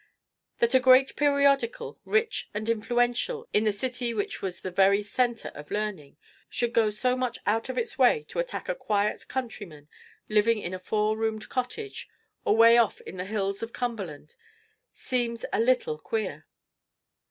That a great periodical, rich and influential, in the city which was the very center of learning, should go so much out of its way to attack a quiet countryman living in a four roomed cottage, away off in the hills of Cumberland, seems a little queer.